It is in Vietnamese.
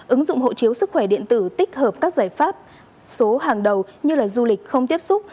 ứng dụng hộ chiếu sức khỏe điện tử tích hợp các giải pháp số hàng đầu như du lịch không tiếp xúc